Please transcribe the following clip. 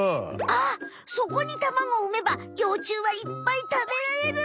そこにタマゴをうめばようちゅうはいっぱいたべられる！